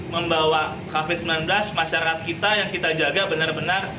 membawa covid sembilan belas masyarakat kita yang kita jaga benar benar